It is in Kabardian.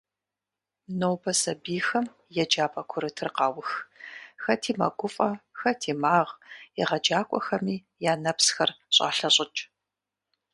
Нобэ сэбийхэм еджапӏэ курытыр къаух - хэти мэгуфӏэ, хэти магъ, егъэджакӏуэхэми я нэпсхэр щӏалъэщӏыкӏ.